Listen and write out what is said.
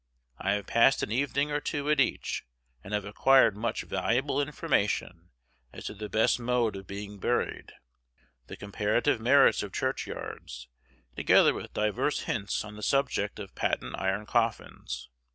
I have passed an evening or two at each, and have acquired much valuable information as to the best mode of being buried, the comparative merits of churchyards, together with divers hints on the subject of patent iron coffins.